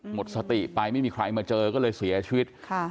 หมดสติไปไม่มีใครมาเจอก็เลยเสียชีวิต